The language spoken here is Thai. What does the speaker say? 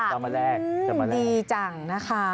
จะมาแลกจะมาแลกดีจังนะคะ